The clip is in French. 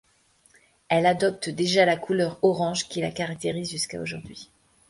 Elle adopte déjà la couleur orange qui la caractérise jusqu'à aujourd'hui.